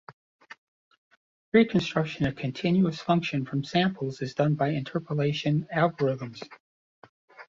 Reconstructing a continuous function from samples is done by interpolation algorithms.